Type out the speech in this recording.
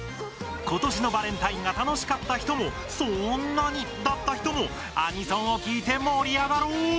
ことしのバレンタインが楽しかった人もそんなにだった人もアニソンを聴いて盛り上がろう！